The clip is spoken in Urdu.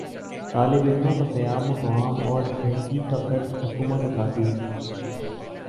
طالب علموں کا قیام و طعام اور تحقیق کا خرچ حکومت اٹھاتی ہے